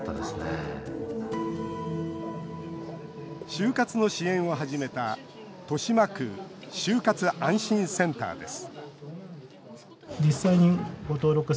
終活の支援を始めた、豊島区終活あんしんセンターです